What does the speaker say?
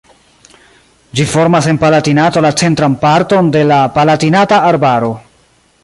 Ĝi formas en Palatinato la centran parton de la Palatinata Arbaro.